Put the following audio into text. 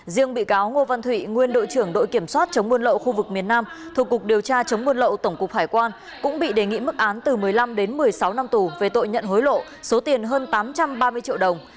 riêng bị cáo ngô văn thụy nguyên đội trưởng đội kiểm soát chống buôn lậu khu vực miền nam thuộc cục điều tra chống buôn lậu tổng cục hải quan cũng bị đề nghị mức án từ một mươi năm đến một mươi sáu năm tù về tội nhận hối lộ số tiền hơn tám trăm ba mươi triệu đồng